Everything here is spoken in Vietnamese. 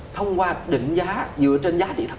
thông qua định giá dựa trên giá trị thật